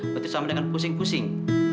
bekerja sama dengan pusing pusing